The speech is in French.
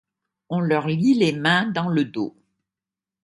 On leur lie les mains dans le dos.